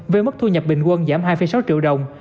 với mức thu nhập bình quân giảm hai sáu triệu đồng